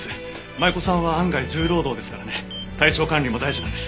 舞子さんは案外重労働ですからね体調管理も大事なんです。